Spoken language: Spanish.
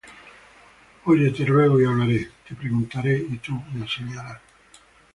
Oye te ruego, y hablaré; Te preguntaré, y tú me enseñarás.